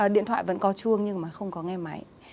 điện thoại vẫn có chuông nhưng mà không có nghe máy